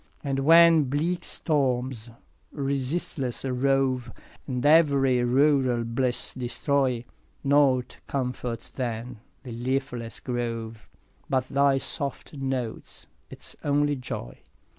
5 And when bleak storms resistless rove, And ev'ry rural bliss destroy, Nought comforts then the leafless grove But thy soft note – its only joy.